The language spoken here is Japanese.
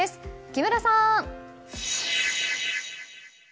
木村さん！